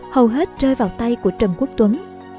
hầu hết rơi vào tay của trần quốc tuấn